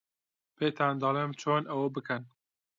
پێتان دەڵێم چۆن ئەوە بکەن.